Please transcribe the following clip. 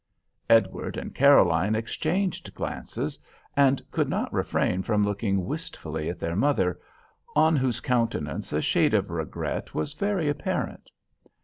Edward and Caroline exchanged glances, and could not refrain from looking wistfully at their mother, on whose countenance a shade of regret was very apparent.